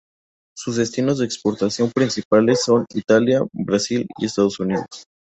Sus destinos de exportación principales son Italia, Brasil y Estados Unidos.